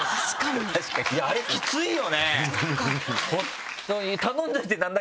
あれきついよね。